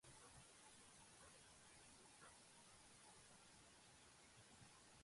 ელინისტურ ხანაში სამადლოს ორგზის განუცდია ნგრევა და ხანძარი.